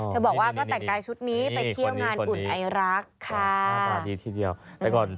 เธอบอกว่าก็แตกกายชุดนี้ไปเที่ยวงานอุ่นไอรักค่ะ